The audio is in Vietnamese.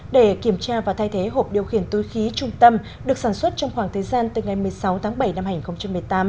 để kiểm tra và thay thế hộp điều khiển túi khí trung tâm được sản xuất trong khoảng thời gian từ ngày một mươi sáu tháng bảy năm hai nghìn một mươi tám